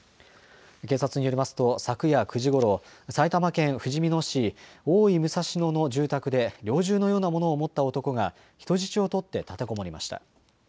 警察によりますと昨夜９時ごろ、埼玉県ふじみ野市大井武蔵野の住宅で猟銃のようなものを持った男が人質を取って立てこもりました。